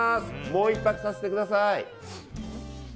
もう１泊させてください。